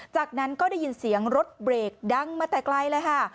จากนั้นก็ได้ยินเสียงรถเบรกดังมาแต่ไกลเลยค่ะ